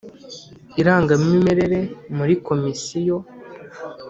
irangamimerere muri Komisiyo.